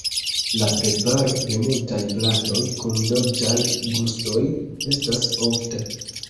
La preparo de multaj pladoj kun dolĉaj gustoj estas ofta.